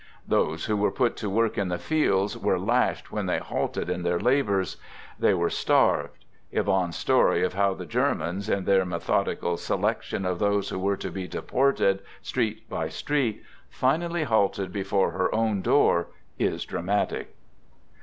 Those who were put to work in the fields were lashed when thej> halted in their labors. They were starved. Yvonne's story of how the Germans, in their method ical selection of those who were to be deported, street by street, finally halted before her own door, is dramatic